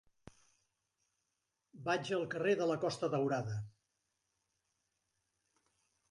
Vaig al carrer de la Costa Daurada.